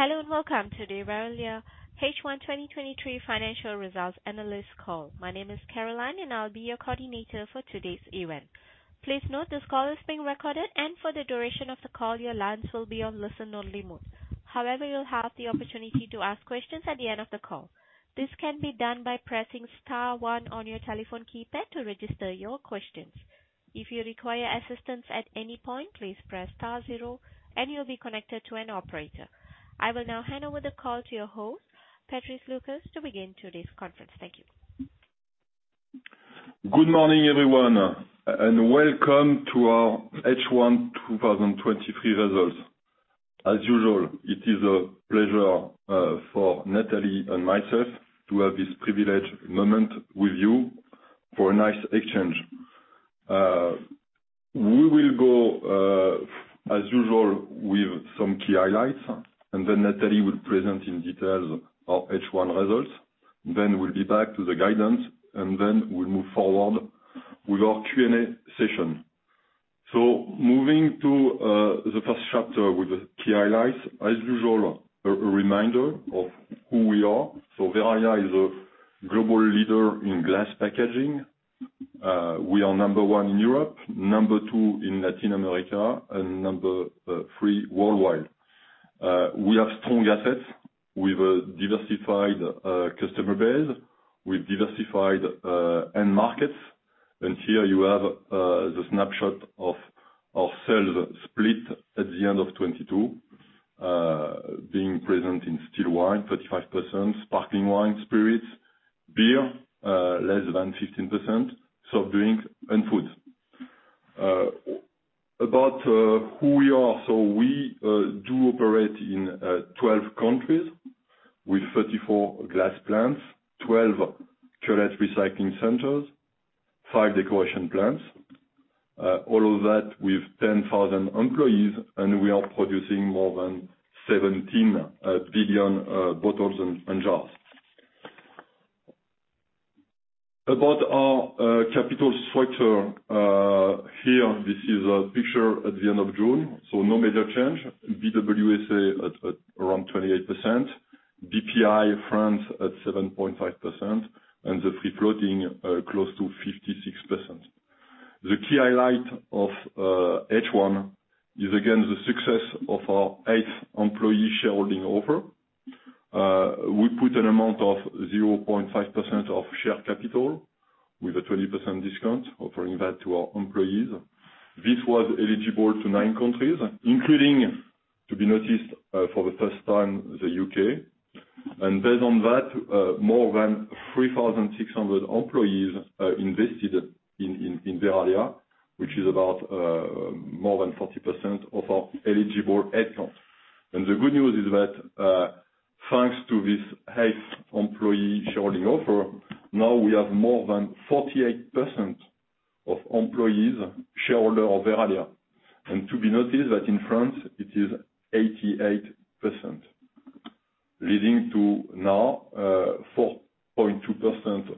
Hello, and welcome to the Verallia H1 2023 financial results analyst call. My name is Caroline, and I'll be your coordinator for today's event. Please note this call is being recorded, and for the duration of the call, your lines will be on listen-only mode. However, you'll have the opportunity to ask questions at the end of the call. This can be done by pressing star one on your telephone keypad to register your questions. If you require assistance at any point, please press star zero, and you'll be connected to an operator. I will now hand over the call to your host, Patrice Lucas, to begin today's conference. Thank you. Good morning, everyone, welcome to our H1 2023 results. As usual, it is a pleasure for Nathalie and myself to have this privileged moment with you for a nice exchange. We will go, as usual, with some key highlights, then Nathalie will present in detail our H1 results. We'll be back to the guidance, then we'll move forward with our Q&A session. Moving to the first chapter with the key highlights, as usual, a reminder of who we are. Verallia is a global leader in glass packaging. We are number one in Europe, number two in Latin America, and number three worldwide. We have strong assets with a diversified customer base, with diversified end-markets. Here you have the snapshot of our sales split at the end of 2022, being present in still-wine, 35%, sparkling-wine, spirits, beer, less than 15%, soft drinks, and food. About who we are, so we do operate in 12 countries with 34 glass plants, 12 cullet recycling centers, five decoration plants. All of that with 10,000 employees, and we are producing more than 17 billion bottles and jars. About our capital structure, here, this is a picture at the end of June, so no major change. BWSA at around 28%, Bpifrance at 7.5%, and the free floating close to 56%. The key highlight of H1 is, again, the success of our eighth employee shareholding offer. We put an amount of 0.5% of share capital with a 20% discount, offering that to our employees. This was eligible to nine countries, including, to be noticed, for the first time, the U.K. Based on that, more than 3,600 employees invested in Verallia, which is about more than 40% of our eligible headcount. The good news is that, thanks to this eighth employee shareholding offer, now we have more than 48% of employees shareholder of Verallia. To be noticed that in France, it is 88%, leading to now 4.2%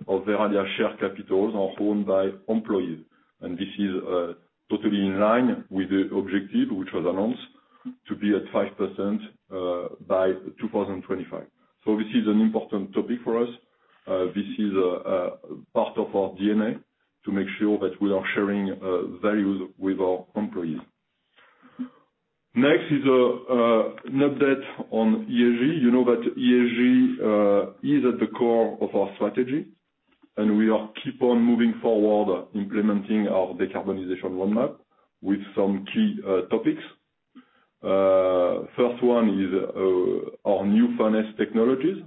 of Verallia share capitals are owned by employees. This is totally in line with the objective, which was announced to be at 5% by 2025. This is an important topic for us. This is part of our DNA, to make sure that we are sharing values with our employees. Next is an update on ESG. You know that ESG is at the core of our strategy, and we are keep on moving forward, implementing our decarbonization roadmap with some key topics. First one is our new furnace technologies.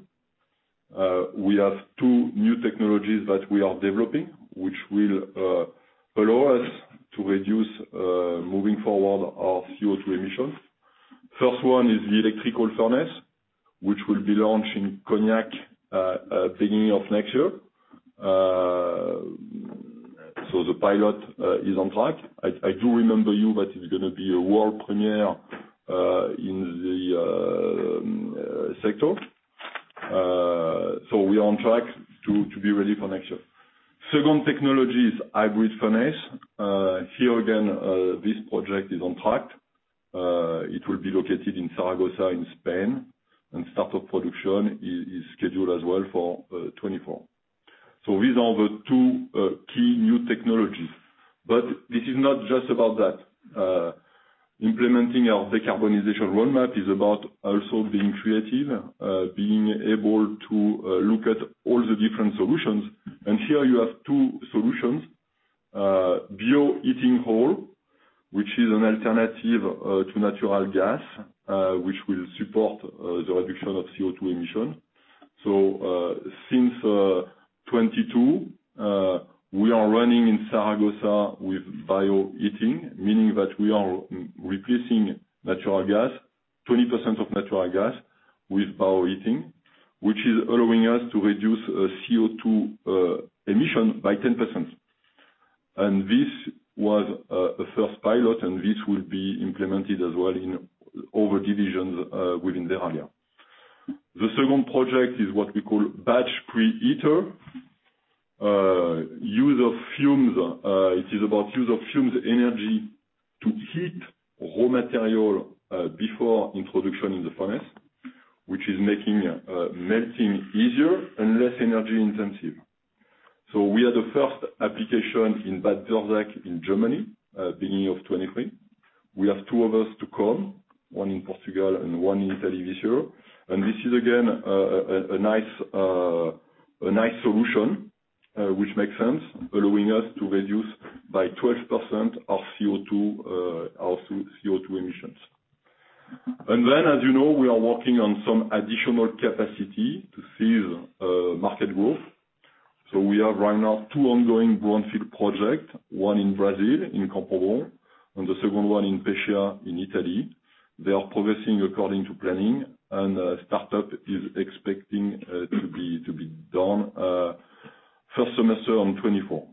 We have two new technologies that we are developing, which will allow us to reduce, moving forward, our CO2 emissions. First one is the electrical furnace, which will be launched in Cognac, beginning of next year. The pilot is on track. I do remember you that it's gonna be a world premiere in the sector. We are on track to be ready for next year. Second technology is hybrid furnace. Here again, this project is on track. It will be located in Zaragoza, in Spain, and start of production is scheduled as well for 2024. These are the two key new technologies. This is not just about that. Implementing our decarbonization roadmap is about also being creative, being able to look at all the different solutions. Here you have two solutions. Bio-heating oil, which is an alternative to natural gas, which will support the reduction of CO2 emission. Since 2022, we are running in Zaragoza with bio heating, meaning that we are replacing natural gas, 20% of natural gas, with bio heating, which is allowing us to reduce CO2 emission by 10%. This was a first pilot, and this will be implemented as well in other divisions within Verallia. The second project is what we call batch pre-heater, use of fumes. It is about use of fumes energy to heat raw material before introduction in the furnace, which is making melting easier and less energy intensive. We are the first application in Bad Dürkheim in Germany, beginning of 2023. We have two others to come, one in Portugal and one in Italy this year. This is again a nice solution, which makes sense, allowing us to reduce by 12% our CO2, our CO2 emissions. As you know, we are working on some additional capacity to seize market growth. We have right now two ongoing brownfield project, one in Brazil, in Campinas, and the second one in Pescia, in Italy. They are progressing according to planning, and startup is expecting to be done first semester on 2024.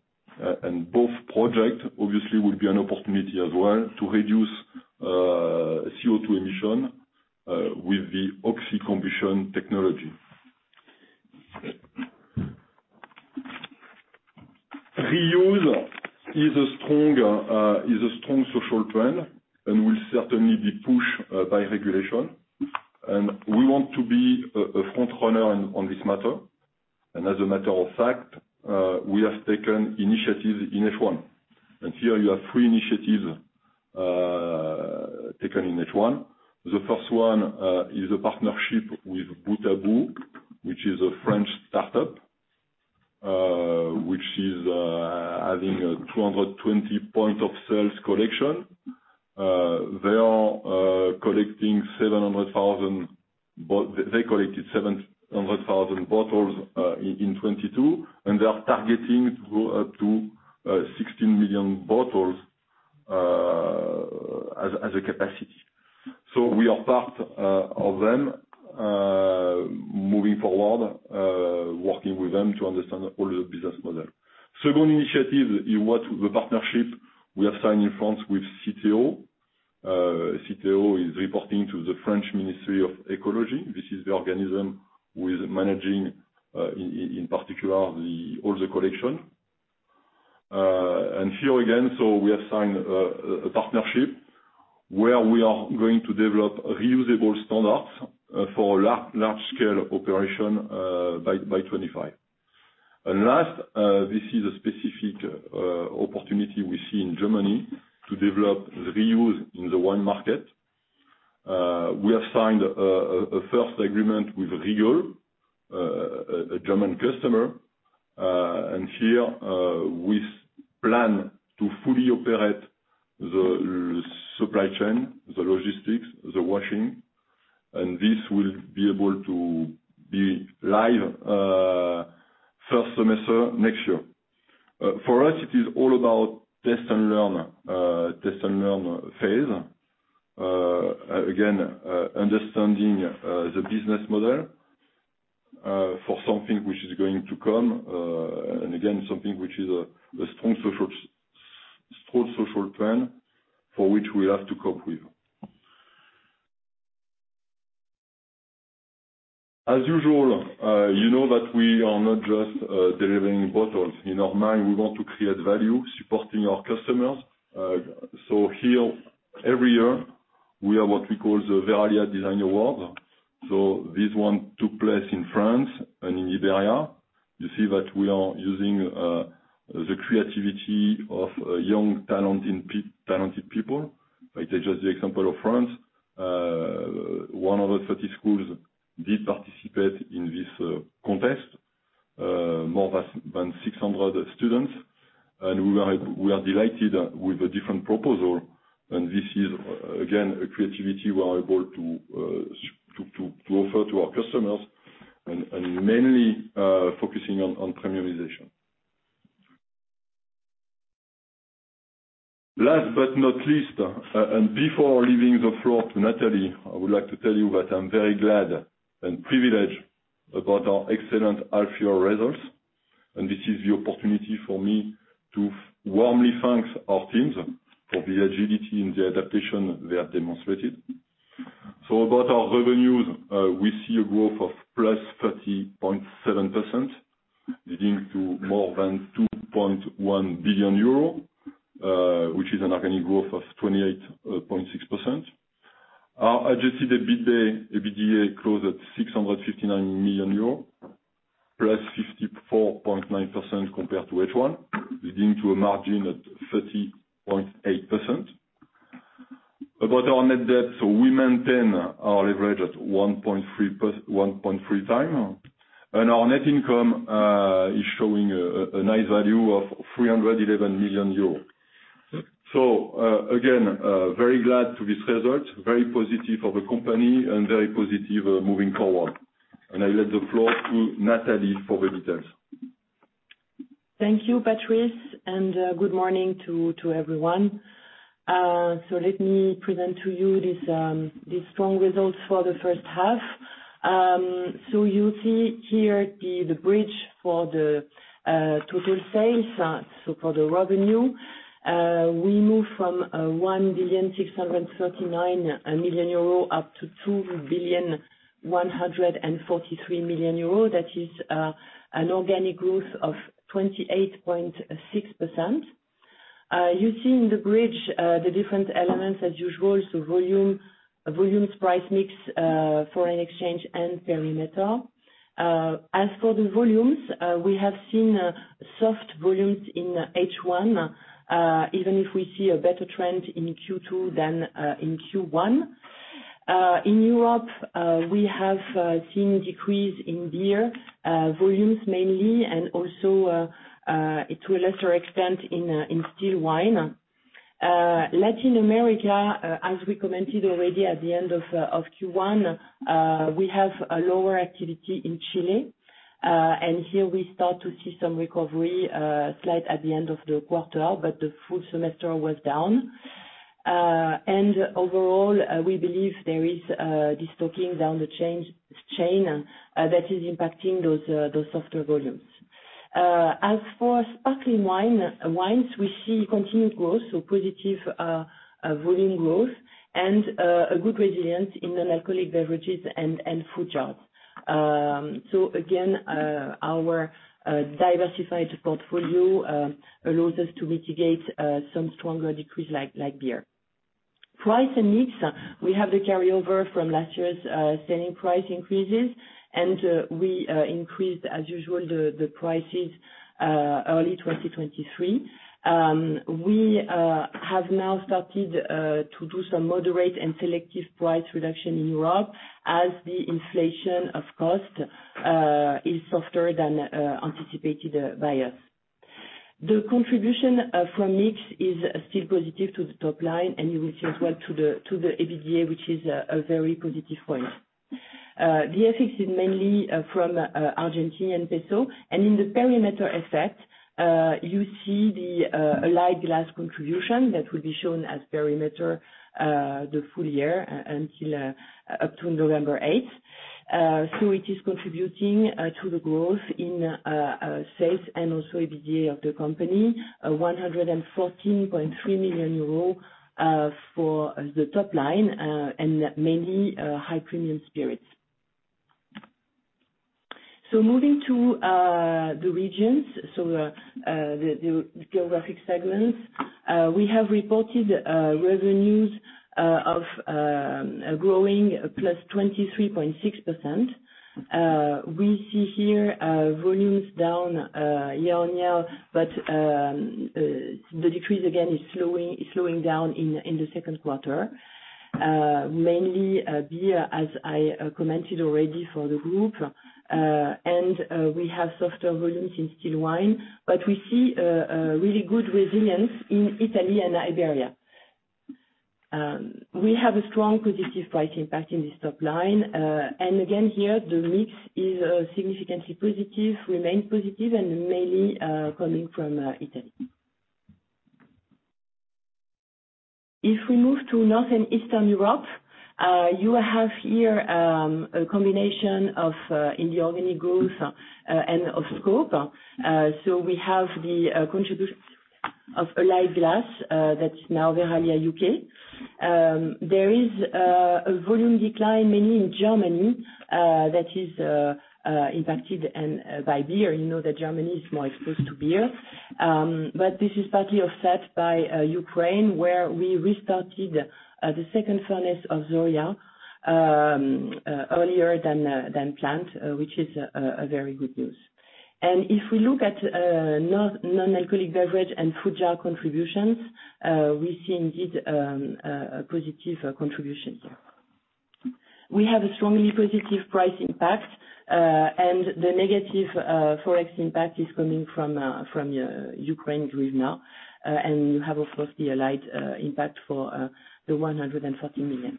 Both project, obviously, will be an opportunity as well to reduce CO2 emission with the oxy-combustion technology. Reuse is a strong social trend and will certainly be pushed by regulation. We want to be a front runner on this matter. As a matter of fact, we have taken initiatives in H1. Here you have three initiatives taken in H1. The first one is a partnership with Bout’ à Bout’, which is a French startup, which is having a 220 point of sales collection. They collected 700,000 bottles in 2022, and they are targeting to go up to 16 million bottles as a capacity. We are part of them moving forward, working with them to understand all the business model. Second initiative, you want the partnership we have signed in France with Citeo. Citeo is reporting to the French Ministry of Ecology. This is the organism who is managing in particular all the collection. Here again, we have signed a partnership where we are going to develop reusable standards for large-scale operation by 2025. Last, this is a specific opportunity we see in Germany to develop the reuse in the wine market. We have signed a first agreement with Riegele, a German customer. Here, we plan to fully operate the supply chain, the logistics, the washing, and this will be able to be live first semester next year. For us, it is all about test and learn phase. Again, understanding the business model for something which is going to come, and again, something which is a strong social trend for which we have to cope with. As usual, you know that we are not just delivering bottles. In our mind, we want to create value, supporting our customers. Here, every year, we have what we call the Verallia Design Award. This one took place in France and in Iberia. You see that we are using the creativity of young, talented people. I take just the example of France. One of the 30 schools did participate in this contest, more than 600 students. We are delighted with the different proposal. This is again a creativity we are able to offer to our customers and mainly focusing on premiumization. Last but not least, before leaving the floor to Nathalie, I would like to tell you that I'm very glad and privileged about our excellent half-year results. This is the opportunity for me to warmly thank our teams for the agility and the adaptation they have demonstrated. About our revenues, we see a growth of +30.7%, leading to more than 2.1 billion euro, which is an organic growth of 28.6%. Our adjusted EBITDA closed at 659 million euros, +54.9% compared to H1, leading to a margin at 30.8%. About our net debt, we maintain our leverage at 1.3x, and our net income is showing a nice value of 311 million euros. Again, very glad to this result, very positive for the company and very positive moving forward. I leave the floor to Nathalie for the details. Thank you, Patrice, and good morning to everyone. Let me present to you this, these strong results for the first half. You see here the bridge for the total sales, so for the revenue. We moved from 1,639,000,000 euro up to 2,143,000,000 euro. That is an organic growth of 28.6%. You see in the bridge, the different elements as usual, so volumes, price mix, foreign exchange and perimeter. As for the volumes, we have seen soft volumes in H1, even if we see a better trend in Q2 than in Q1. In Europe, we have seen a decrease in beer volumes mainly and also to a lesser extent in still wine. Latin America, as we commented already at the end of Q1, we have a lower activity in Chile. Here we start to see some recovery, slight at the end of the quarter, but the full semester was down. Overall, we believe there is — this talking down the chain that is impacting those softer volumes. As for sparkling wines, we see continued growth, so positive volume growth and a good resilience in the alcoholic beverages and food jars. Again, our diversified portfolio allows us to mitigate some stronger decrease, like beer. Price and mix, we have the carryover from last year's selling price increases, we increased, as usual, the prices early 2023. We have now started to do some moderate and selective price reduction in Europe as the inflation of cost is softer than anticipated by us. The contribution from mix is still positive to the top line, you will see as well to the EBITDA, which is a very positive point. The FX is mainly from Argentinian Peso. In the perimeter effect, you see the light glass contribution that will be shown as perimeter the full year until up to November 8th. It is contributing to the growth in sales and also EBITDA of the company, 114.3 million euros for the top line, and mainly high-premium spirits. Moving to the regions, the geographic segments, we have reported revenues of growing +23.6%. We see here volumes down year-on-year, but the decrease again is slowing down in the second quarter. Mainly beer, as I commented already for the group. We have softer volumes in still wine, but we see a really good resilience in Italy and Iberia. We have a strong positive price impact in this top line. Again, here, the mix is significantly positive, remain positive, and mainly coming from Italy. If we move to Northern Eastern Europe, you have here a combination of in the organic growth and of scope. We have the contribution of Allied Glass, that's now Verallia UK. There is a volume decline, mainly in Germany, that is impacted and by beer. You know, that Germany is more exposed to beer. This is partly offset by Ukraine, where we restarted the second furnace of Zorya earlier than planned, which is a very good news. If we look at non-alcoholic beverage and food jar contributions, we see indeed a positive contribution. We have a strongly positive price impact, and the negative Forex impact is coming from Ukraine right now. You have, of course, the light impact for the 140 million.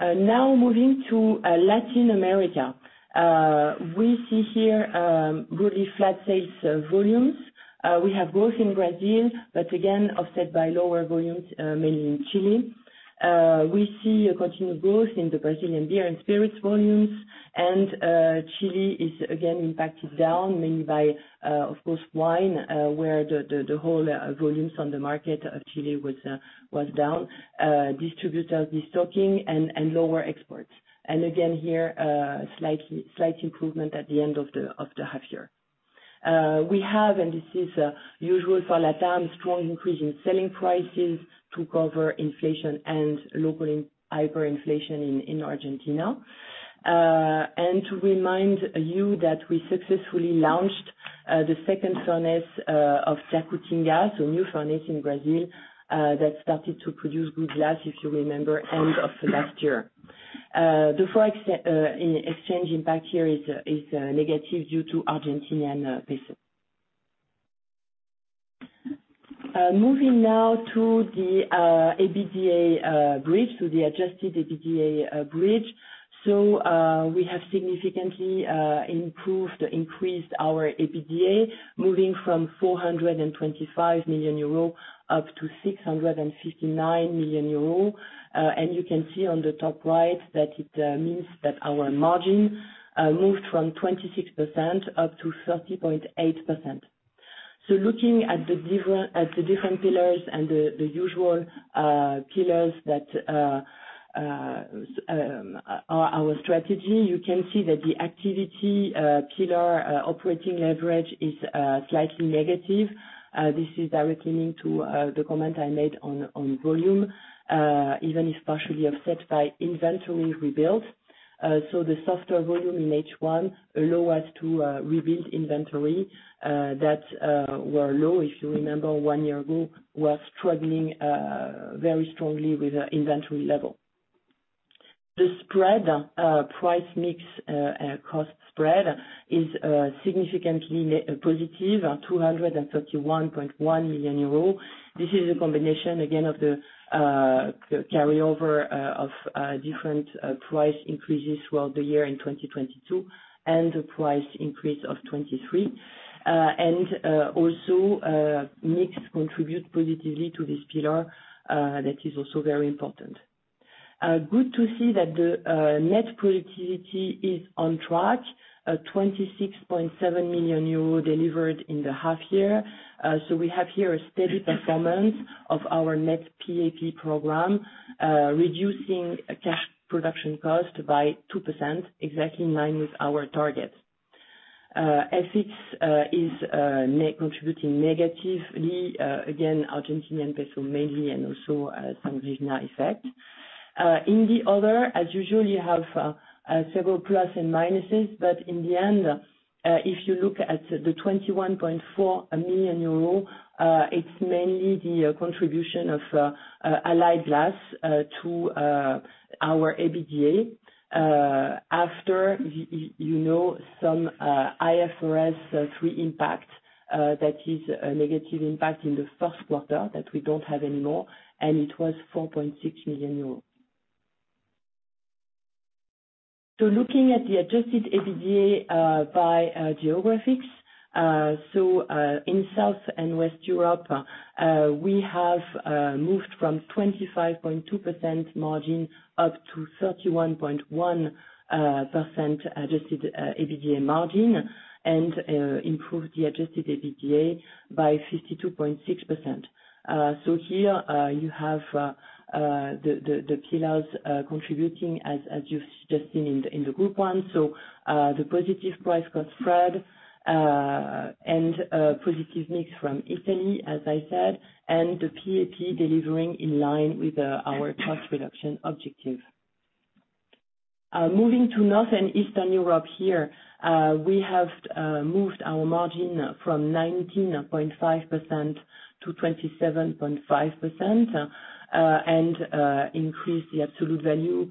Now moving to Latin America. We see here really flat sales volumes. We have growth in Brazil, but again, offset by lower volumes mainly in Chile. We see a continued growth in the Brazilian beer and spirits volumes. Chile is again impacted down, mainly by, of course, wine, where the whole volumes on the market of Chile was down. Distributors de-stocking and lower exports. Again, here, slight improvement at the end of the half year. We have, and this is usual for LATAM, strong increase in selling prices to cover inflation and local hyperinflation in Argentina. To remind you that we successfully launched the second furnace of Jacutinga, so new furnace in Brazil, that started to produce good glass, if you remember, end of last year. The Forex in exchange impact here is negative due to Argentinian peso. Moving now to the EBITDA bridge, to the adjusted EBITDA bridge. We have significantly improved, increased our EBITDA, moving from 425 million euro up to 659 million euro. You can see on the top right that it means that our margin moved from 26% up to 30.8%. Looking at the different pillars and the usual pillars that are our strategy, you can see that the activity pillar, operating leverage is slightly negative. This is directly linked to the comment I made on volume, even if partially offset by inventory rebuild. The softer volume in H1 allow us to rebuild inventory that were low. If you remember, one year ago, we were struggling very strongly with our inventory level. The spread, price mix, cost spread is significantly positive, 231.1 million euros. This is a combination, again, of the carryover of different price increases throughout the year in 2022, and the price increase of 2023. Also, mix contribute positively to this pillar, that is also very important. Good to see that the net productivity is on track, 26.7 million euros delivered in the half year. We have here a steady performance of our net PAP program, reducing cash production cost by 2%, exactly in line with our target. FX is contributing negatively, again, Argentinian peso mainly, and also, some regional effect. In the other, as usual, you have several plus and minuses, but in the end, if you look at the 21.4 million euro, it's mainly the contribution of Allied Glass to our EBITDA, after you know, some IFRS 3 impact that is a negative impact in the first quarter that we don't have anymore, and it was 4.6 million euros. Looking at the adjusted EBITDA by geographies, so in South and West Europe, we have moved from 25.2% margin up to 31.1% adjusted EBITDA margin, and improved the adjusted EBITDA by 52.6%. Thee pillars contributing, as you've just seen in the group one. The positive price cost spread and positive mix from Italy, as I said, and the PAP delivering in line with our cost reduction objective. Moving to North and Eastern Europe here, we have moved our margin from 19.5% to 27.5% and increased the absolute value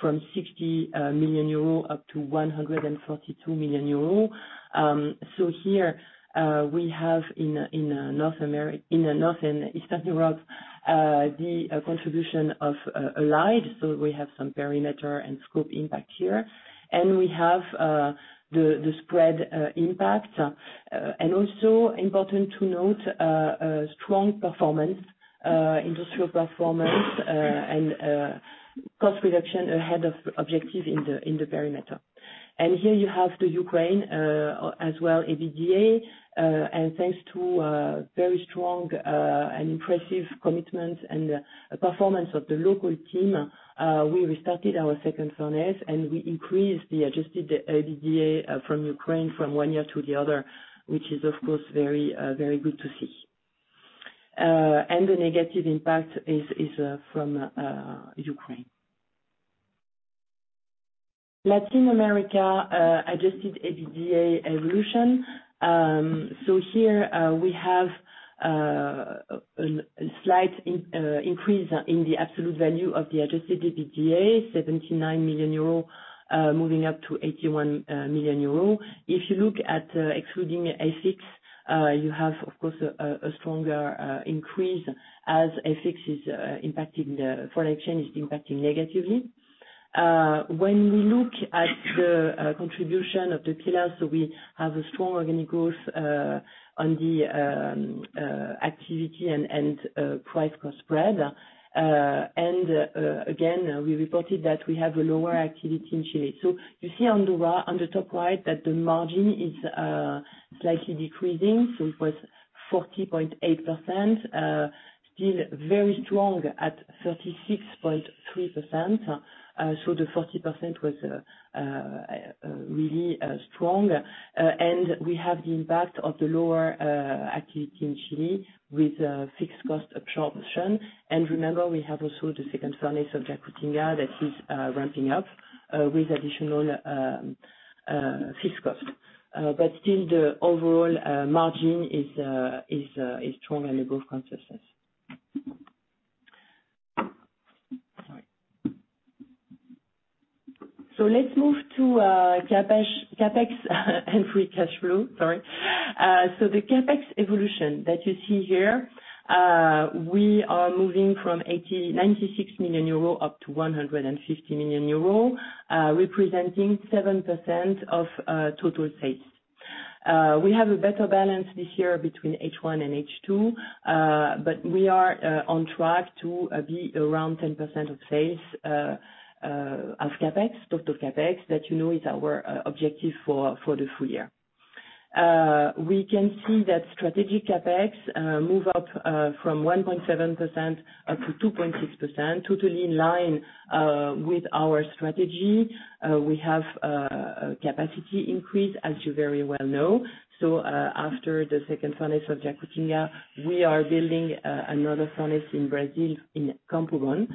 from 60 million euro up to 142 million euro. So here, we have in North and Eastern Europe the contribution of Allied, so we have some perimeter and scope impact here. And we have the spread impact. Also important to note, a strong performance, industrial performance, and cost reduction ahead of objective in the perimeter. Here you have the Ukraine as well, EDITDA, and thanks to very strong and impressive commitment and performance of the local team, we restarted our second furnace, and we increased the adjusted EBITDA from Ukraine from one year to the other, which is of course, very good to see. The negative impact is from Ukraine. Latin America, adjusted EBITDA evolution. Here we have a slight increase in the absolute value of the adjusted EBITDA, 79 million euro, moving up to 81 million euro. If you look at, excluding FX, you have, of course, a stronger increase as FX is impacting negatively. When we look at the contribution of the pillars, so we have a strong organic growth on the activity and price cost spread. Again, we reported that we have a lower activity in Chile. So you see on the right, on the top right, that the margin is slightly decreasing, so it was 40.8%, still very strong at 36.3%, so the 40% was really strong. We have the impact of the lower activity in Chile with fixed-cost absorption. Remember, we have also the second furnace of Jacutinga that is ramping up with additional fixed cost. Still the overall margin is strong and a good consensus. Sorry. Let's move to CapEx and free cash flow, sorry. The CapEx evolution that you see here, we are moving from 80 million — 96 million euro up to 150 million euro, representing 7% of total sales. We have a better balance this year between H1 and H2, we are on track to be around 10% of sales as CapEx, total CapEx, that you know, is our objective for the full year. We can see that strategic CapEx move up from 1.7% up to 2.6%, totally in line with our strategy. We have a capacity increase, as you very well know. After the second furnace of Jacutinga, we are building another furnace in Brazil, in Campo Bom.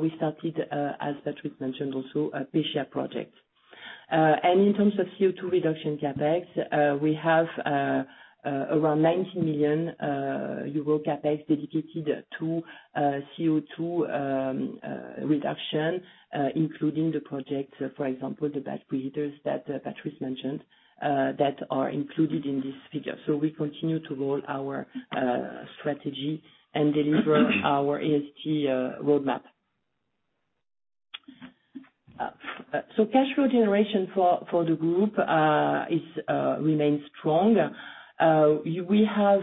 We started, as Patrice mentioned also, a Pescia project. In terms of CO₂ reduction CapEx, we have around 90 million euro CapEx dedicated to CO₂ reduction, including the project, for example, the batch pre-heaters that Patrice mentioned, that are included in this figure. We continue to roll our strategy and deliver our ESG roadmap. Cash flow generation for the group remains strong. We have,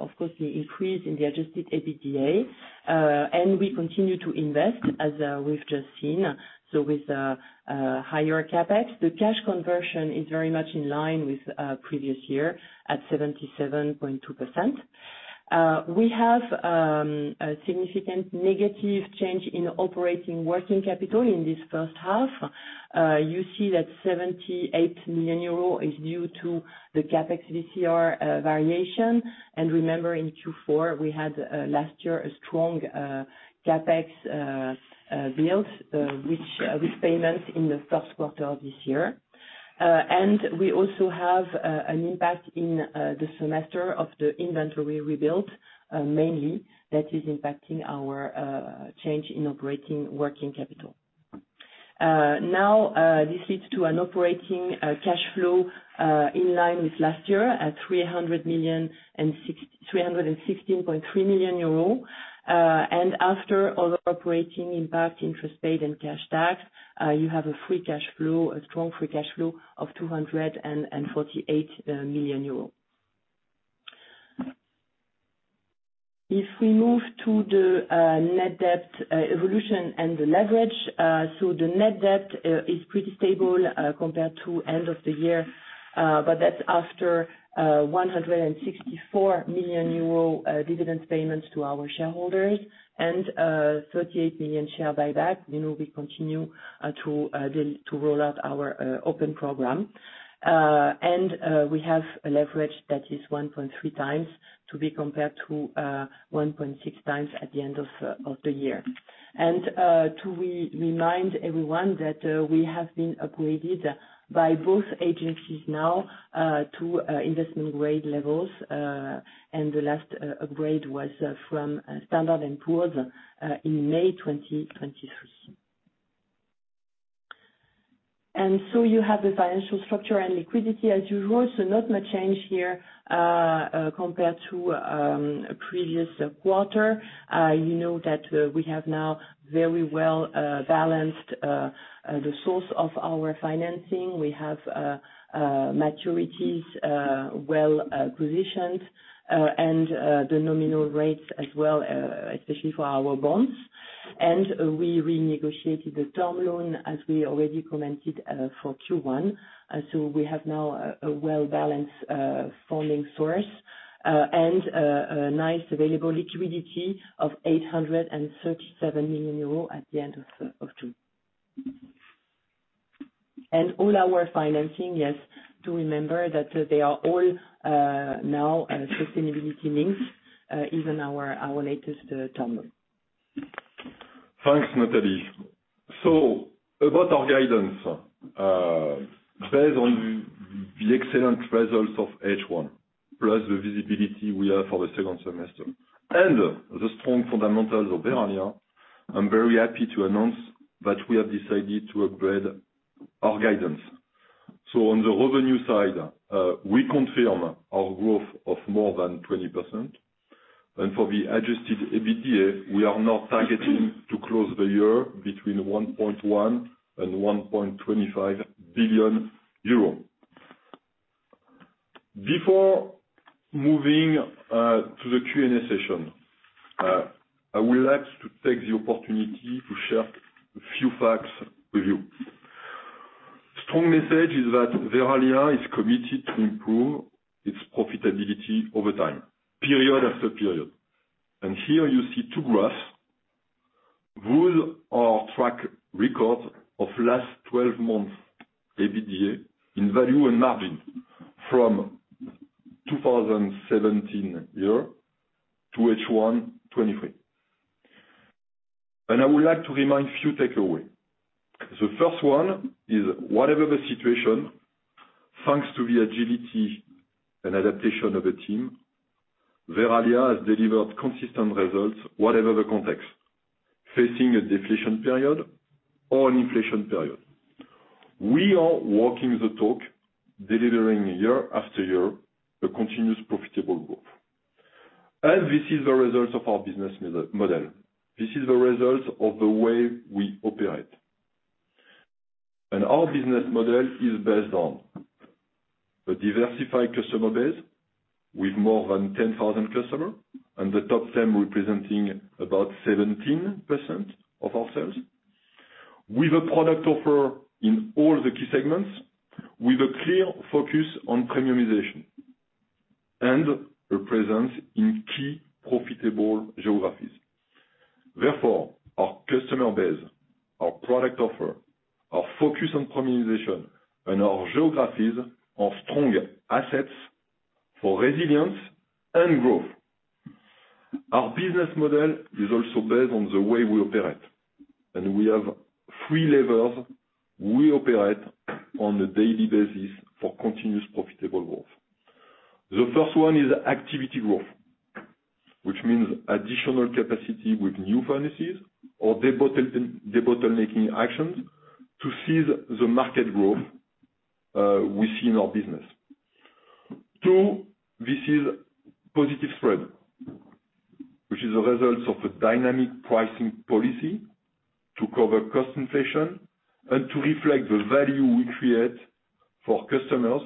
of course, the increase in the adjusted EBITDA. We continue to invest, as we've just seen, with higher CapEx. The cash conversion is very much in line with previous year, at 77.2%. We have a significant negative change in operating working capital in this first half. You see that 78 million euro is due to the CapEx VCR variation. Remember, in Q4, we had, last year, a strong CapEx build, which with payments in the first quarter of this year. We also have an impact in the semester of the inventory rebuild, mainly that is impacting our change in operating working capital. Now, this leads to an operating cash flow in line with last year at 316.3 million euro. After other operating impact, interest paid, and cash tax, you have a free cash flow, a strong free cash flow of 248 million euros. If we move to the net debt evolution and the leverage, the net debt is pretty stable compared to end of the year. That's after 164 million euro, dividend payments to our shareholders and 38 million share buyback. You know, we continue to roll out our open program. We have a leverage that is 1.3x to be compared to 1.6x at the end of the year. To remind everyone that we have been upgraded by both agencies now to investment grade levels, and the last upgrade was from Standard & Poor's in May 2023. You have the financial structure and liquidity as usual, so not much change here compared to a previous quarter. You know that we have now very well balanced the source of our financing. We have maturities well positioned, and the nominal rates as well, especially for our bonds. We renegotiated the term loan, as we already commented, for Q1. We have now a well-balanced funding source, and a nice available liquidity of 837 million euros at the enqd of two. All our financing, yes, to remember that they are all now sustainability-linked, even our latest term. Thanks, Nathalie. About our guidance, based on the excellent results of H1, plus the visibility we have for the second semester, and the strong fundamentals of Verallia, I'm very happy to announce that we have decided to upgrade our guidance. On the revenue side, we confirm our growth of more than 20%, and for the adjusted EBITDA, we are now targeting to close the year between 1.1 billion and 1.25 billion euro. Before moving to the Q&A session, I would like to take the opportunity to share a few facts with you. Strong message is that Verallia is committed to improve its profitability over time, period-after-period. Here you see two graphs, with our track record of last 12 months EBITDA in value and margin from 2017 to H1 2023. I would like to remind few takeaway. The first one is, whatever the situation, thanks to the agility and adaptation of the team, Verallia has delivered consistent results, whatever the context, facing a deflation period or an inflation period. We are walking the talk, delivering year-after-year, a continuous profitable growth. This is the result of our business model. This is the result of the way we operate. Our business model is based on a diversified customer base, with more than 10,000 customer, and the top 10 representing about 17% of our sales. With a product offer in all the key segments, with a clear focus on premiumization and a presence in key profitable geographies. Therefore, our customer base, our product offer, our focus on premiumization, and our geographies are strong assets for resilience and growth. Our business model is also based on the way we operate, and we have three levels we operate on a daily basis for continuous profitable growth: The first one is activity growth, which means additional capacity with new furnaces or debottlenecking actions to seize the market growth we see in our business; Two, this is positive spread, which is a result of a dynamic pricing policy to cover cost inflation and to reflect the value we create for customers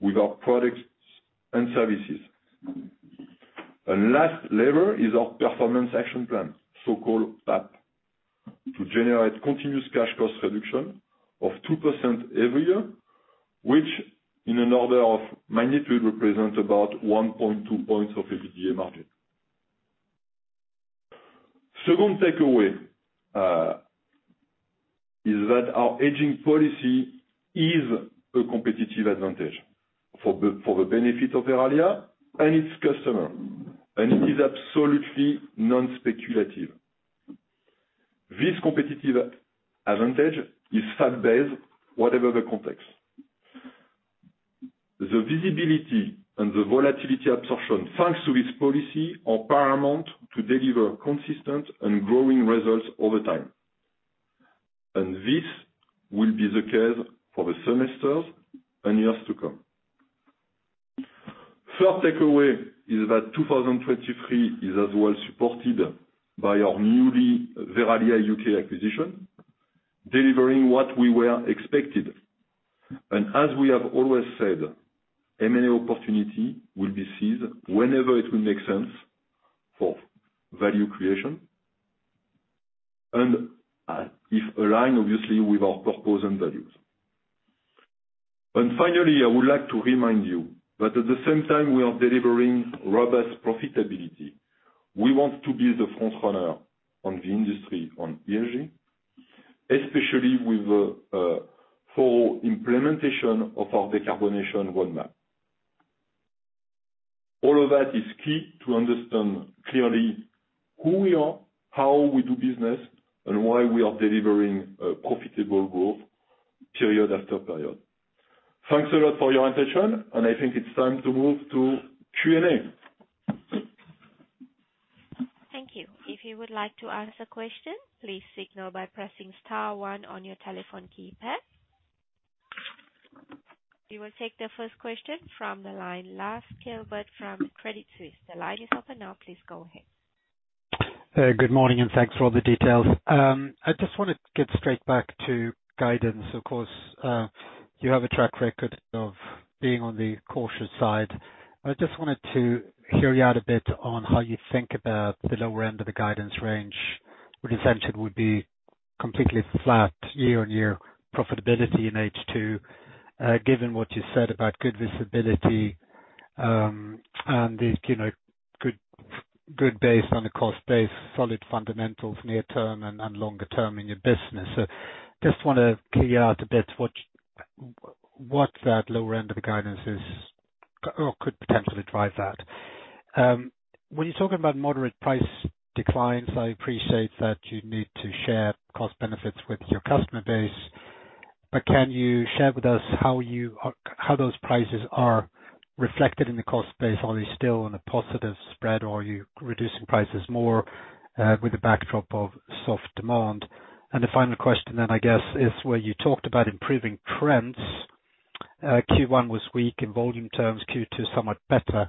with our products and services; Last, lever is our performance action plan, so-called PAP, to generate continuous cash cost reduction of 2% every year, which in an order of magnitude, represents about 1.2 points of EBITDA margin. Second takeaway is that our hedging policy is a competitive advantage for the benefit of Verallia and its customer, and it is absolutely non-speculative. This competitive advantage is fact-based, whatever the context. The visibility and the volatility absorption, thanks to this policy, are paramount to deliver consistent and growing results over time, and this will be the case for the semesters and years to come. Third takeaway is that 2023 is as well supported by our newly Verallia UK acquisition, delivering what we were expected. As we have always said, M&A opportunity will be seized whenever it will make sense for value creation and if align, obviously, with our purpose and values. Finally, I would like to remind you that at the same time we are delivering robust profitability, we want to be the front runner on the industry on ESG, especially with the full implementation of our decarbonization roadmap. All of that is key to understand clearly who we are; how we do business; and why we are delivering profitable growth period-after-period. Thanks a lot for your attention, I think it's time to move to Q&A. Thank you. If you would like to ask a question, please signal by pressing star one on your telephone keypad. We will take the first question from the line, Lars Kjellberg from Credit Suisse. The line is open now, please go ahead. Good morning, thanks for all the details. I just wanna get straight back to guidance. Of course, you have a track record of being on the cautious side. I just wanted to hear you out a bit on how you think about the lower end of the guidance range, which essentially would be completely flat year-on-year profitability in H2, given what you said about good visibility, and the, you know, good base on the cost base, solid fundamentals, near term and longer term in your business. Just wanna hear out a bit what that lower end of the guidance or could potentially drive that. When you're talking about moderate price declines, I appreciate that you need to share cost benefits with your customer base, can you share with us how those prices are reflected in the cost base? Are you still on a positive spread, or are you reducing prices more with the backdrop of soft demand? The final question then, is where you talked about improving trends. Q1 was weak in volume terms, Q2 is somewhat better.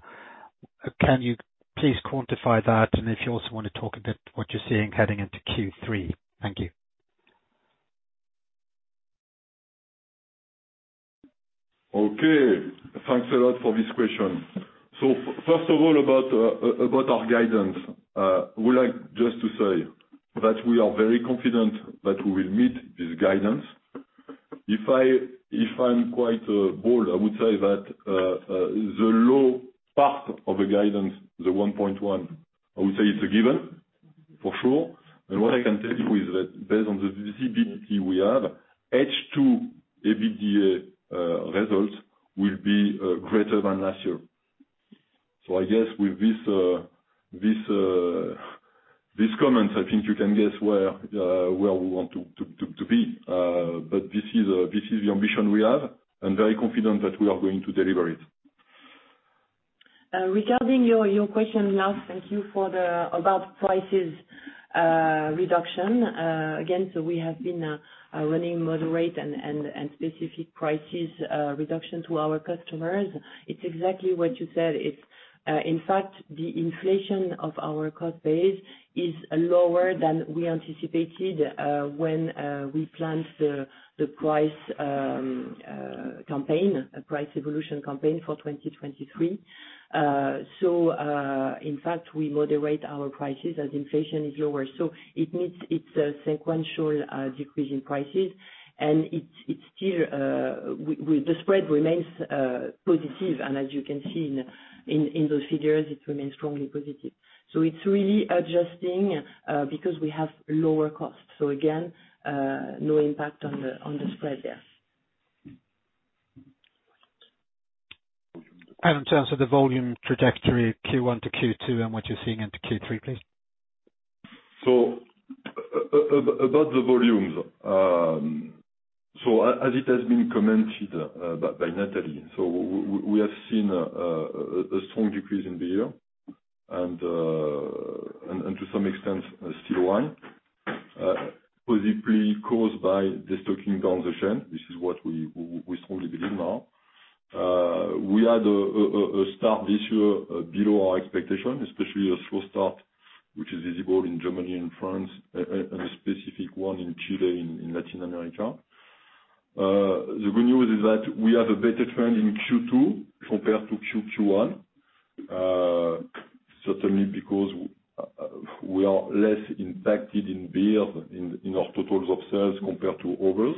Can you please quantify that, and if you also want to talk what you're seeing heading into Q3. Thank you. Okay. Thanks a lot for this question. First of all, about our guidance, I would like just to say that we are very confident that we will meet this guidance. If I'm quite bold, I would say that the low part of the guidance, the 1.1, I would say it's a given, for sure. What I can tell you is that based on the visibility we have, H2 EBITDA results will be greater than last year. I guess with this, this comment, I think you can guess where we want to be. This is the ambition we have, I'm very confident that we are going to deliver it. Regarding your question, Lars, thank you for about prices, reduction. Again, we have been running moderate and specific prices, reduction to our customers. It's exactly what you said. It's, in fact, the inflation of our cost base is lower than we anticipated, when we planned the price, campaign, price evolution campaign for 2023. In fact, we moderate our prices as inflation is lower, so it means it's a sequential decrease in prices. It's, it's still. The spread remains positive, and as you can see in those figures, it remains strongly positive. It's really adjusting because we have lower costs. Again, no impact on the, on the spread there. In terms of the volume trajectory, Q1-Q2, and what you're seeing into Q3, please? About the volumes, as it has been commented by Nathalie, we have seen a strong decrease in beer, and to some extent, still one positively caused by the stocking transition. This is what we strongly believe now. We had a start this year below our expectation, especially a slow start, which is visible in Germany and France, and a specific one in Chile, in Latin America. The good news is that we have a better trend in Q2 compared to Q1, certainly because we are less impacted in beer, in our totals of sales compared to others.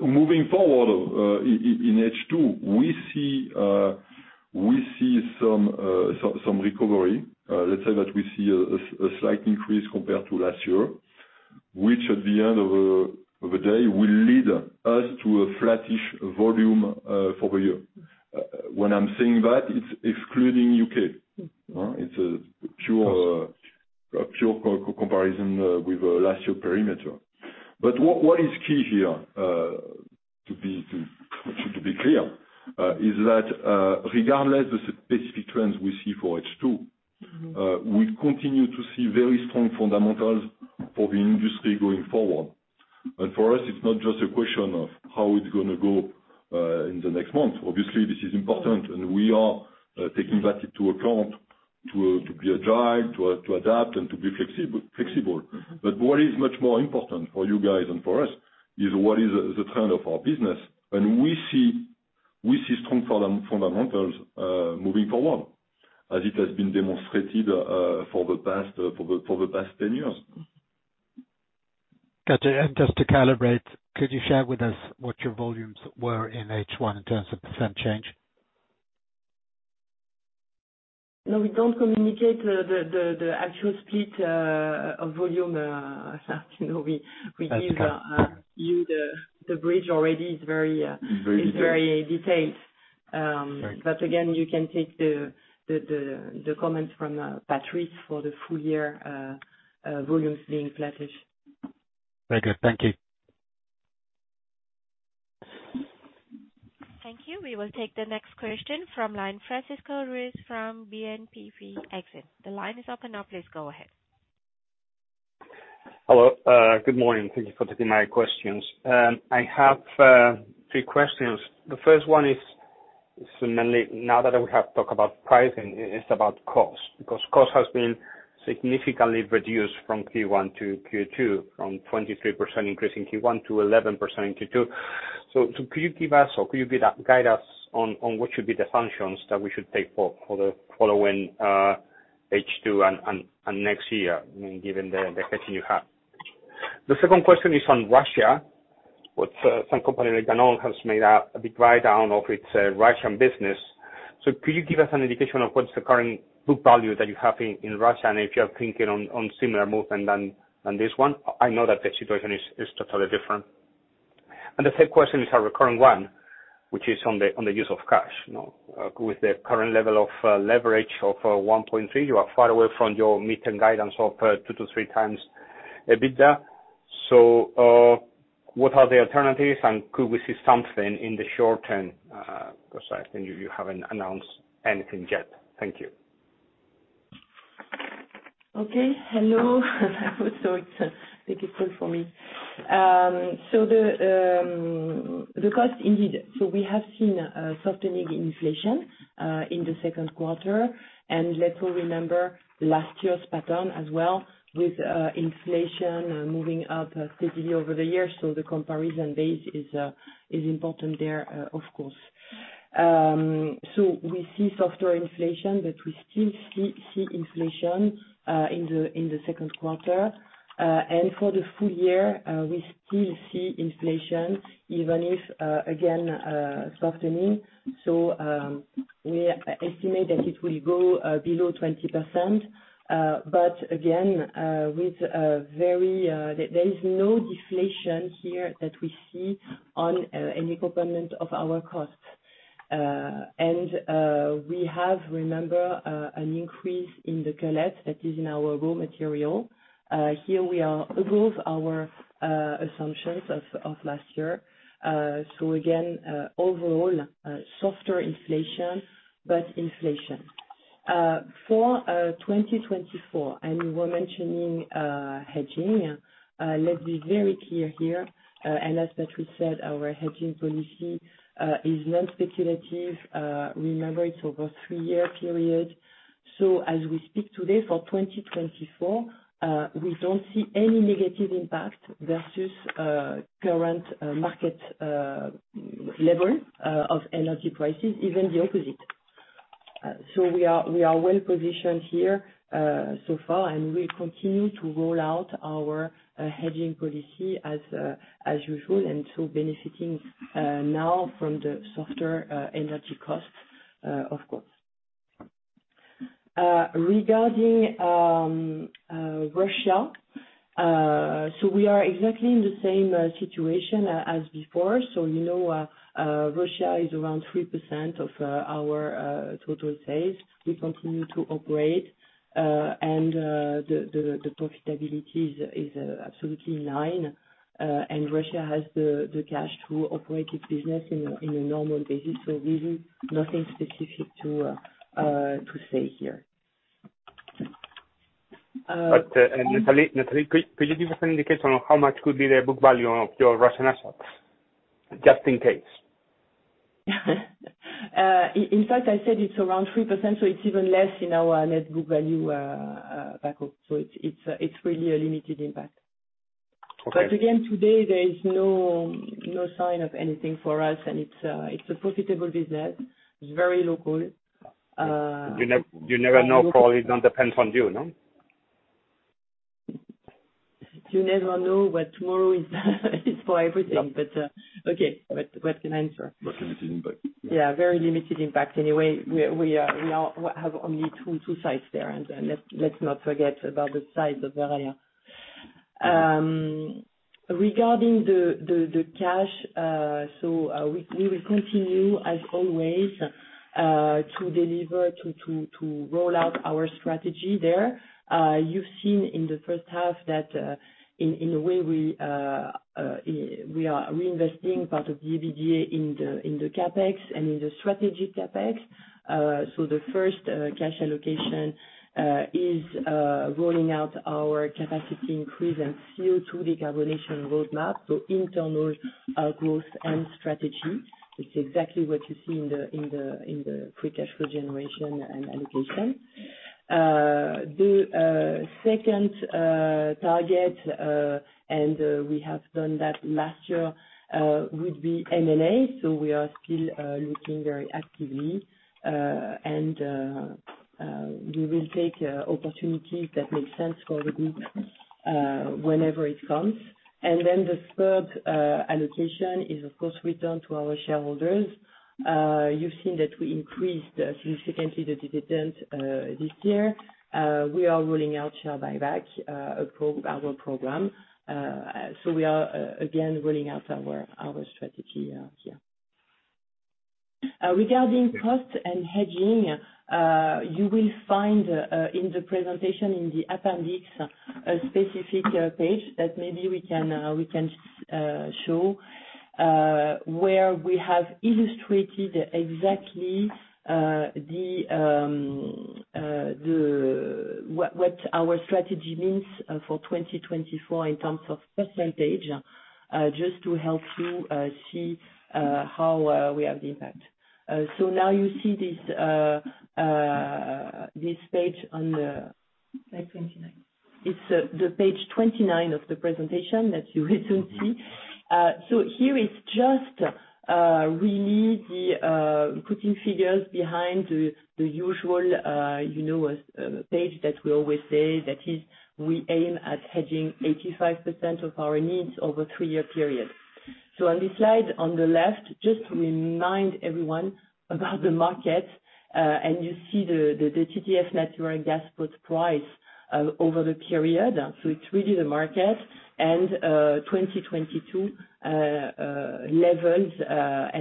Moving forward, in H2, we see some recovery. Let's say that we see a slight increase compared to last year, which at the end of the day, will lead us to a flattish volume for the year. When I'm saying that, it's excluding U.K., it's a pure comparison with last year perimeter. What is key here, to be clear, is that, regardless of the specific trends we see for H2. Mm-hmm. We continue to see very strong fundamentals for the industry going forward. For us, it's not just a question of how it's gonna go in the next month. Obviously, this is important, and we are taking that into account to be agile, to adapt, and to be flexible. What is much more important for you guys and for us, is what is the trend of our business. We see strong fundamentals moving forward, as it has been demonstrated for the past 10 years. Gotcha. Just to calibrate, could you share with us what your volumes were in H1, in terms of percent change? No, we don't communicate the actual split of volume. you know, we give — That's okay. — you the bridge already is very — Very detailed. — is very detailed. Right. Again, you can take the comments from Patrice, for the full year volumes being flattish. Very good. Thank you. Thank you. We will take the next question from line, Francisco Ruiz, from BNPP Exane. The line is open now, please go ahead. Hello. Good morning, thank you for taking my questions. I have three questions. The first one is mainly now that we have talked about pricing, it's about cost, because cost has been significantly reduced from Q1-Q2, from 23% increase in Q1 to 11% in Q2. Could you give us, or could you guide us on what should be the functions that we should take for the following H2 and next year, given the hedging you have? The second question is on Russia, which some company like Danone has made a big write down of its Russian business. Could you give us an indication of what's the current book value that you have in Russia, and if you are thinking on similar movement than this one? I know that the situation is totally different. The third question is a recurring one, which is on the use of cash. You know, with the current level of leverage of 1.3, you are far away from your midterm guidance of 2x-3x EBITDA. What are the alternatives, and could we see something in the short term, because I think you haven't announced anything yet? Thank you. Okay. Hello, it's a little difficult for me. The cost, indeed, we have seen a softening in inflation in the second quarter. Let's remember last year's pattern as well, with inflation moving up steadily over the years, so the comparison base is important there, of course. We see softer inflation, but we still see inflation in the second quarter. For the full year, we still see inflation, even if again softening. We estimate that it will go below 20%. Again, with a very, there is no deflation here that we see on any component of our costs. We have, remember, an increase in the cullet that is in our raw material. Here we are above our assumptions of last year. Again, overall, softer inflation, but inflation. For 2024, we were mentioning hedging, let's be very clear here, as Patrice said, our hedging policy is non-speculative. Remember, it's over a three-year period. As we speak today, for 2024, we don't see any negative impact versus current market level of energy prices, even the opposite. We are well positioned here so far, and we continue to roll out our hedging policy as usual, and so benefiting now from the softer energy costs, of course. Regarding Russia, we are exactly in the same situation as before. You know, Russia is around 3% of our total sales. We continue to operate, and the profitability is absolutely nine. Russia has the cash to operate its business in a normal basis, so really nothing specific to say here. Nathalie, could you give us an indication on how much could be the book-value of your Russian assets, just in case? In fact, I said it's around 3%, so it's even less in our net book value, backup. It's really a limited impact. Okay. Again, today, there is no sign of anything for us, and it's a profitable business. It's very local. You never know, for it don't depend on you, no? You never know what tomorrow is for everything. Yeah. Okay. What's an answer? Limited impact. Very limited impact. We have only two sites there, and let's not forget about the size of Verallia. Regarding the cash, we will continue, as always, to deliver to roll out our strategy there. You've seen in the first half that in a way we are reinvesting part of the EBITDA in the CapEx and in the strategy CapEx. The first cash allocation is rolling out our capacity increase and CO2 decarbonization roadmap, so internal growth and strategy. It's exactly what you see in the free cash flow generation and allocation. The second target, and we have done that last year, would be M&A. We are still looking very actively, and we will take opportunities that make sense for the group whenever it comes. The third allocation is, of course, returned to our shareholders. You've seen that we increased significantly the dividend this year. We are rolling out share buyback, our program. We are, again, rolling out our strategy here. Regarding cost and hedging, you will find in the presentation, in the appendix, a specific page that maybe we can, we can show, where we have illustrated exactly the — what our strategy means for 2024, in terms of percentage, just to help you see how we have the impact. Now you see this page on the — Page 29. It's the page 29 of the presentation that you will soon see. Here is just really the putting figures behind the usual, you know, page that we always say, that is, we aim at hedging 85% of our needs over three-year period. On this slide on the left, just to remind everyone about the market, and you see the TTF natural gas put price over the period, so it's really the market and 2022 levels,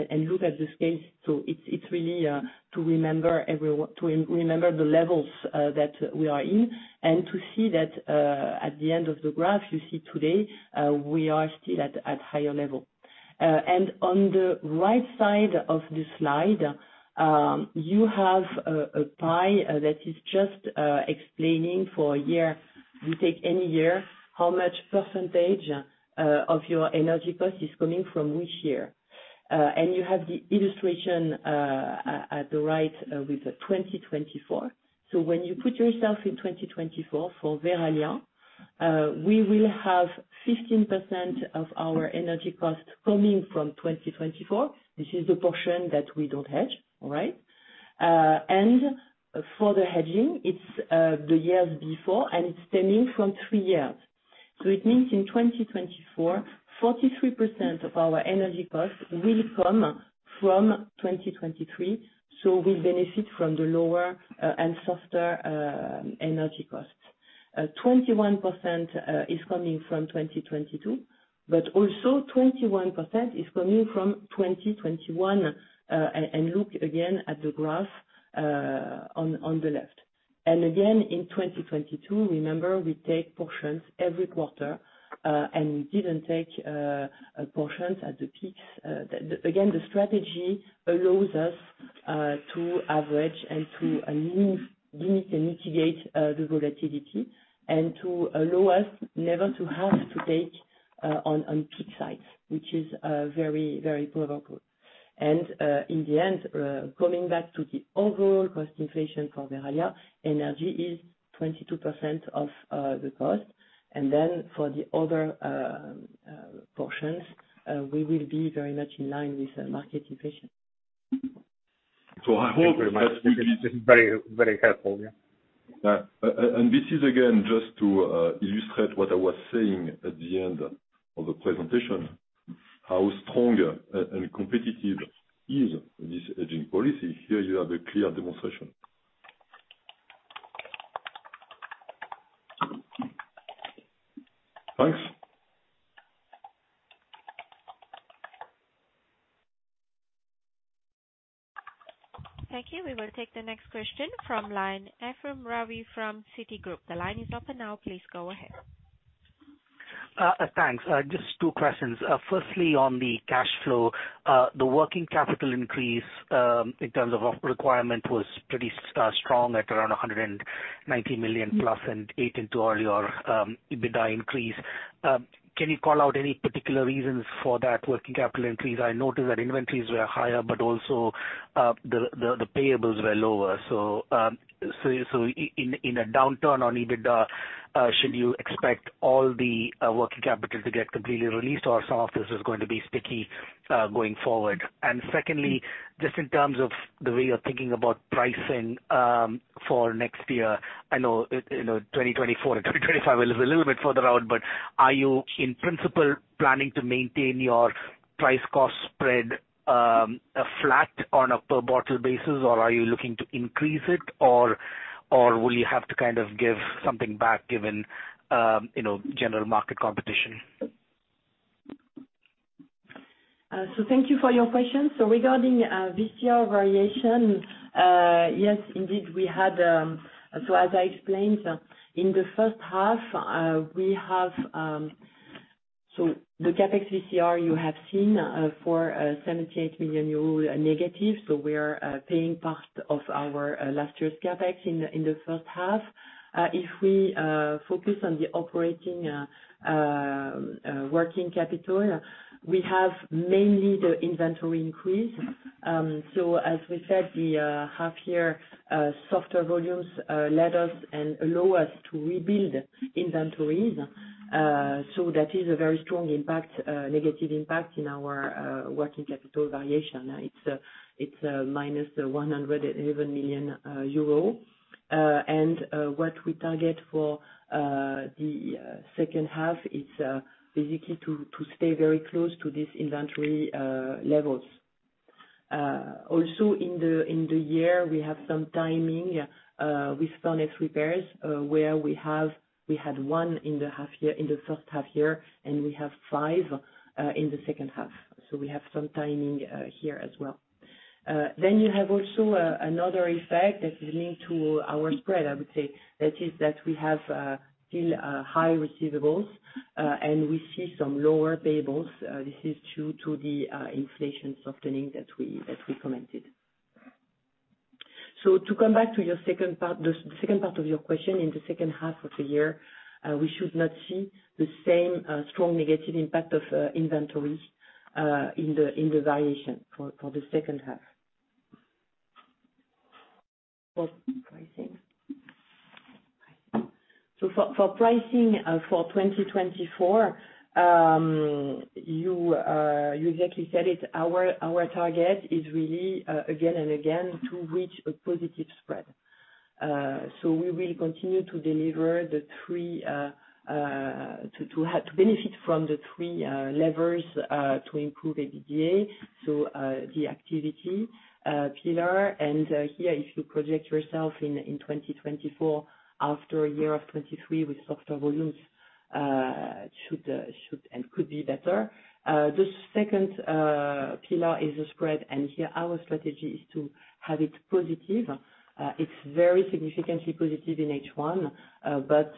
and look at this case. It's really to remember everyone, to remember the levels that we are in, and to see that at the end of the graph, you see today, we are still at higher level. On the right side of this slide, you have a pie that is just explaining for a year, we take any year, how much percentage of your energy cost is coming from which year. You have the illustration at the right with the 2024. When you put yourself in 2024 for Verallia, we will have 15% of our energy cost coming from 2024. This is the portion that we don't hedge, right? For the hedging, it's the years before, and it's stemming from three years. It means in 2024, 43% of our energy costs will come from 2023, so we'll benefit from the lower and softer energy costs. 21% is coming from 2022, also 21% is coming from 2021. Look again at the graph on the left. Again, in 2022, remember, we take portions every quarter, we didn't take portions at the peaks. Again, the strategy allows us to average and to alleviate and mitigate the volatility, to allow us never to have to take on peak sites, which is very, very favorable. In the end, coming back to the overall cost inflation for Verallia, energy is 22% of the cost. For the other portions, we will be very much in line with the market inflation. I hope — Thank you very much. This is very, very helpful, yeah. This is again, just to illustrate what I was saying at the end of the presentation, how strong and competitive is this hedging policy. Here you have a clear demonstration. Thanks. Thank you. We will take the next question from line, Ephrem Ravi from Citigroup. The line is open now, please go ahead. Thanks. Just two questions. Firstly, on the cash flow, the working capital increase, in terms of requirement was pretty strong at around 190 million+, and eight into all your EBITDA increase. Can you call out any particular reasons for that working capital increase? I noticed that inventories were higher, but also, the payables were lower. In a downturn on EBITDA, should you expect all the working capital to get completely released, or some of this is going to be sticky going forward? Secondly, just in terms of the way you're thinking about pricing, for next year, I know, you know, 2024-2025 is a little bit further out, but are you, in principle, planning to maintain your price cost spread, a flat on a per bottle basis, or are you looking to increase it, or will you have to kind of give something back given, you know, general market competition? Thank you for your question. Regarding WCR variation, yes, indeed, we had. As I explained, in the first half, we have, so the CapEx WCR, you have seen as far as -78 million euro, we are paying part of our last year's CapEx in the first half. If we focus on the operating working capital, we have mainly the inventory increase. As we said, the half year softer volumes led us and allow us to rebuild inventories. That is a very strong impact, negative impact in our working capital variation. It's -111 million euro. What we target for the second half is basically to stay very close to this inventory levels. In the year, we have some timing with Sonex repairs, where we had one in the first half year, and we have five in the second half. We have some timing here as well. You have also another effect that is linked to our spread, I would say. We have still high receivables, and we see some lower payables. This is due to the inflation softening that we commented. To come back to your second part, the second part of your question, in the second half of the year, we should not see the same strong negative impact of inventory in the variation for the second half. For pricing? For pricing, for 2024, you exactly said it. Our target is really, again and again, to reach a positive spread. We will continue to benefit from the three levers to improve EBITDA. The activity pillar, and here, if you project yourself in 2024, after a year of 2023 with softer volumes, should and could be better. The second pillar is the spread, and here our strategy is to have it positive. It's very significantly positive in H1, but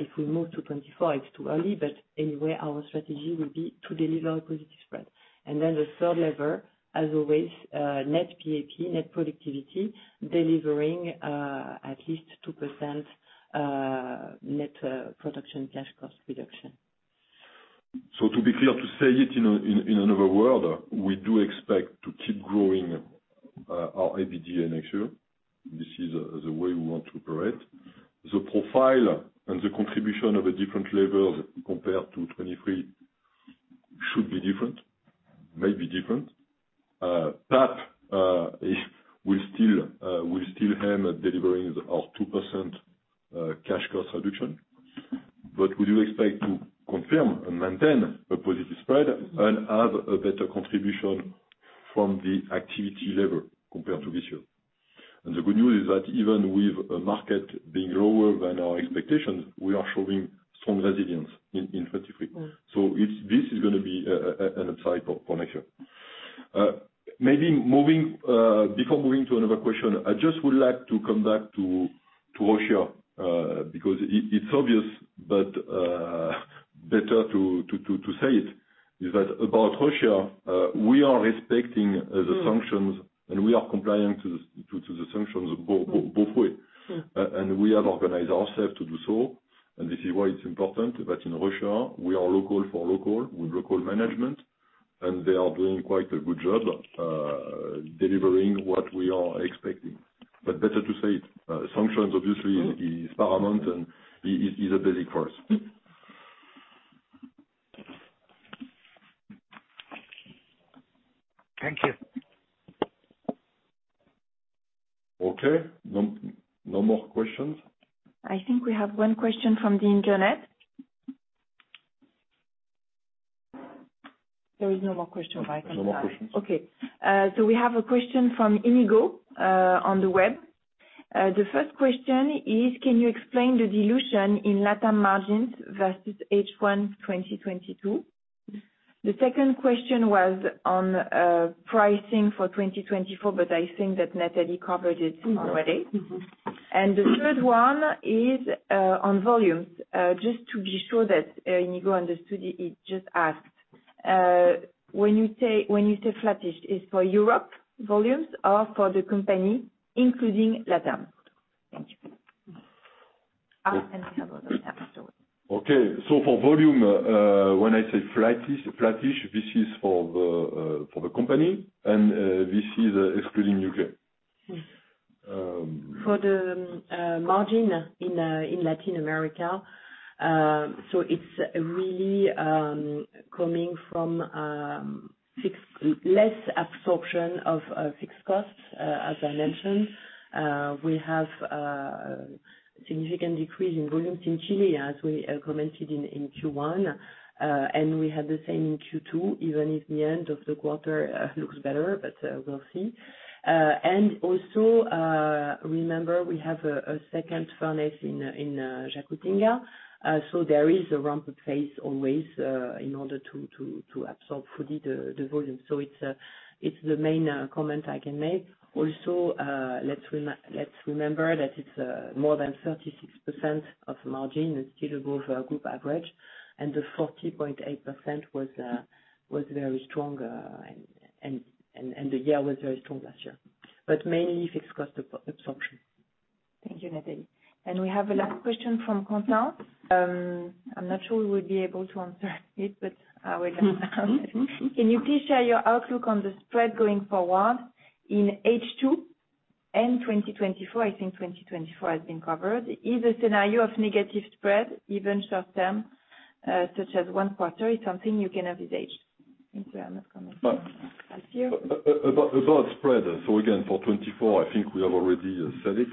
if we move to 25, it's too early, but anyway, our strategy will be to deliver a positive spread. The third lever, as always, net PAP, net productivity, delivering at least 2% net production cash cost reduction. To be clear, to say it in another word, we do expect to keep growing our EBITDA next year. This is the way we want to operate. The profile and the contribution of the different levels compared to 2023 should be different, maybe different. We still aim at delivering our 2% cash cost reduction. We do expect to confirm and maintain a positive spread, and have a better contribution from the activity level compared to this year. The good news is that even with the market being lower than our expectations, we are showing strong resilience in 2023. Mm-hmm. This is gonna be an upside for next year. Maybe moving before moving to another question, I just would like to come back to Russia, because it's obvious, but better to say it, is that about Russia, we are respecting the sanctions. Mm-hmm. We are compliant to the sanctions both way. Mm-hmm. We have organized ourselves to do so, and this is why it's important, that in Russia, we are local — for local, with local management, and they are doing quite a good job, delivering what we are expecting. Better to say it, sanctions obviously is paramount and is a basic for us. Thank you. Okay, no more questions? I think we have one question from the internet. There is no more question, right? No more questions. Okay. We have a question from Inigo on the web. The first question is: can you explain the dilution in LATAM margins versus H1 2022? The second question was on pricing for 2024, I think that Nathalie covered it already. Mm-hmm, mm-hmm. The third one is on volumes. Just to be sure that Inigo understood, he just asked, when you say flattish, it's for Europe volumes or for the company, including LATAM? Thank you. We have other time so. Okay. For volume, when I say flattish, this is for the company, and this is excluding Ukraine. Hmm. Um- For the margin in Latin America, it's really coming from less absorption of fixed costs, as I mentioned. We have significant decrease in volumes in Chile, as we commented in Q1. We have the same in Q2, even if the end of the quarter looks better, but we'll see. Also, remember, we have a second furnace in Jacutinga. There is a ramp-up phase always in order to absorb fully the volume. It's the main comment I can make. Let's remember that it's, more than 36% of margin is still above our group average, and the 40.8% was very strong, and the year was very strong last year. Mainly fixed-cost absorption. Thank you, Nathalie. We have a last question from Quentin. I'm not sure we will be able to answer it, but we're gonna answer. Can you please share your outlook on the spread going forward in H2 and 2024? I think 2024 has been covered. Is a scenario of negative spread, even short term, such as one quarter, is something you can envisage? Thank you. I'm not commenting. But- Thank you. About spread, again, for 24, I think we have already said it.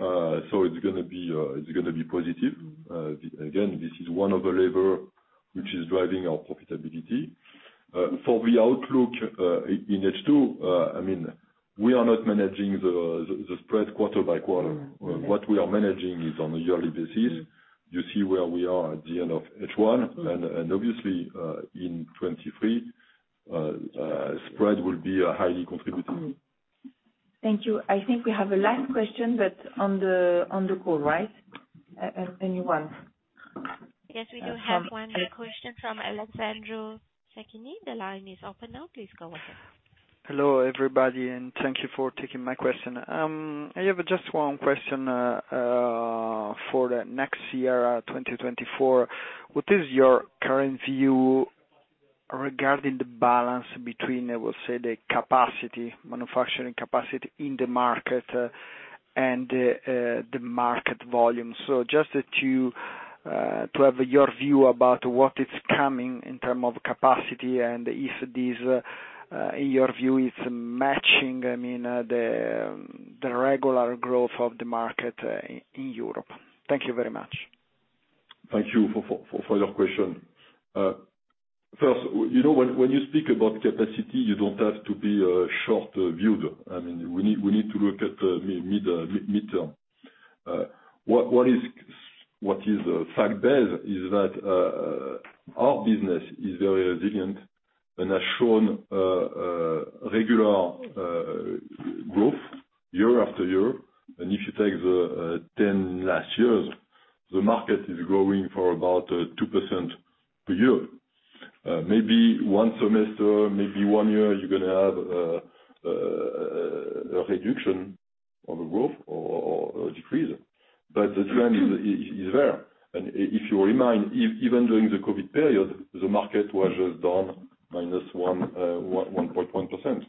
Okay. It's gonna be positive. Again, this is one of the labor which is driving our profitability. For the outlook, in H2, I mean, we are not managing the spread quarter-by-quarter. Mm-hmm. What we are managing is on a yearly basis. You see where we are at the end of H1. Mm-hmm. Obviously, in 2023, spread will be highly contributing. Thank you. I think we have a last question, but on the call, right? Anyone? Yes, we do have one question from Alessandro Secchi. The line is open now, please go ahead. Hello, everybody, and thank you for taking my question. I have just one question for the next year, 2024. What is your current view regarding the balance between, I will say, the capacity, manufacturing capacity in the market, and the market volume? Just to have your view about what is coming in term of capacity and if this, in your view, is matching, I mean, the regular growth of the market in Europe. Thank you very much. Thank you for your question. First, you know, when you speak about capacity, you don't have to be a short viewer. I mean, we need to look at the middle. What is fact-based is that our business is very resilient and has shown regular growth year after year. If you take the 10 last years, the market is growing for about 2% per year. Maybe one semester, maybe one year, you're gonna have a reduction on the growth or a decrease, but the trend is there. If you remind, even during the COVID period, the market was just down -1.1%,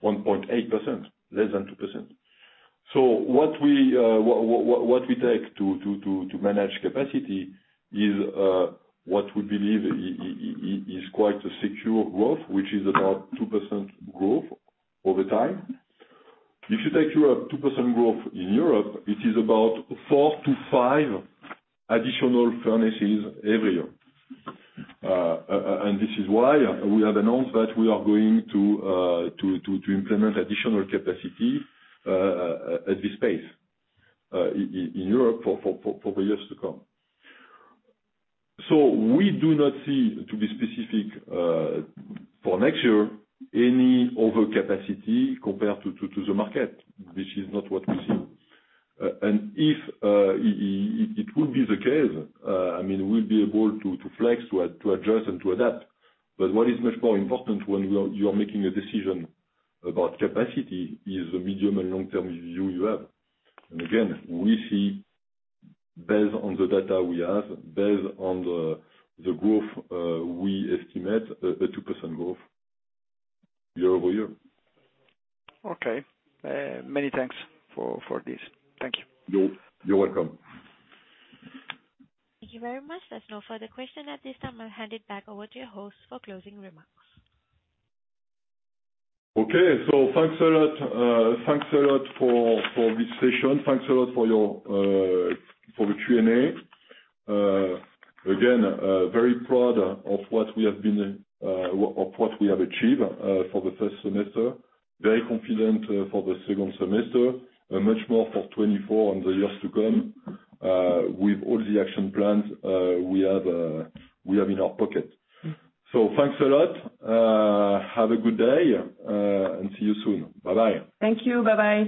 1.8%, less than 2%. What we take to manage capacity is what we believe is quite a secure growth, which is about 2% growth over time. If you take your 2% growth in Europe, it is about 4-5 additional furnaces every year. This is why we have announced that we are going to implement additional capacity at this pace in Europe for the years to come. We do not see, to be specific, for next year, any overcapacity compared to the market. This is not what we see. If it would be the case, I mean, we'll be able to flex, to adjust and to adapt. What is much more important when you are making a decision about capacity is the medium and long-term view you have. Again, we see based on the data we have, based on the growth, we estimate a 2% growth year-over-year. Okay. Many thanks for this. Thank you. You're welcome. Thank you very much. There's no further question at this time. I'll hand it back over to your host for closing remarks. Okay. Thanks a lot, thanks a lot for this session. Thanks a lot for your, for the Q&A. Again, very proud of what we have been, of what we have achieved, for the first semester. Very confident, for the second semester, and much more for 2024 and the years to come. With all the action plans, we have, we have in our pocket. Thanks a lot. Have a good day, and see you soon. Bye-bye. Thank you. Bye-bye!